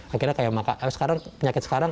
akhirnya penyakit sekarang